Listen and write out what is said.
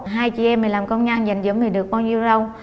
hai chị em mình làm công nhân dành dưỡng mình được bao nhiêu đâu